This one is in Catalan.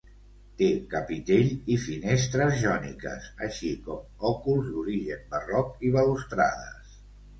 Té capitell i finestres jòniques, així com òculs d'origen barroc i balustrades.